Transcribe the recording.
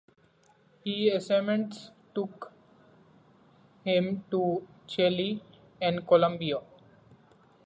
He assignments took him to Chile and Colombia.